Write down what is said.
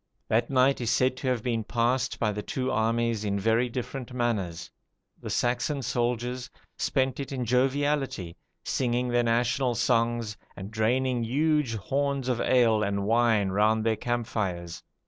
That night is said to have been passed by the two armies in very different manners. The Saxon soldiers spent it in joviality, singing their national songs, and draining huge horns of ale and wine round their camp fires.